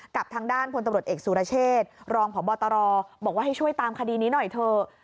กับทางด้านพลตำรวจเอกสุรเชษรองพบตรบอกว่าให้ช่วยตามคดีนี้หน่อยเถอะ